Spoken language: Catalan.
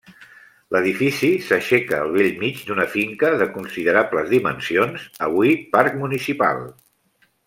L'edifici s'aixeca al bell mig d'una finca de considerables dimensions, avui parc municipal.